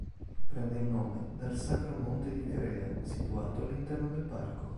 Prende il nome dal Sacro Monte di Crea, situato all'interno del parco.